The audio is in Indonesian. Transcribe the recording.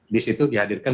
di situ dihadirkan